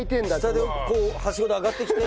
下でこうはしごで上がってきて。